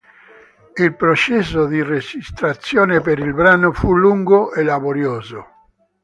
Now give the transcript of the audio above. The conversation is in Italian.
Il processo di registrazione per il brano fu lungo e laborioso.